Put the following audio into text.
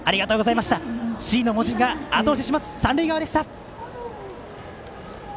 Ｃの文字があと押しします三塁側でした。